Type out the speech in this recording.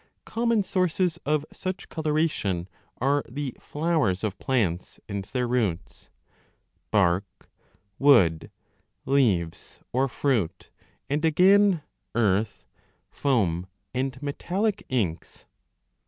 Common sources of such coloration are the flowers of plants and their roots, bark, wood, leaves, or fruit, and 20 again, earth, foam, and metallic inks.